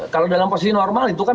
kalau dalam posisi normal itu kan